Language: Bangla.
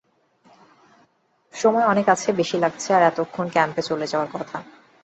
সময় অনেক বেশী লাগছে, তার এতক্ষণে ক্যাম্পে চলে যাওয়ার কথা।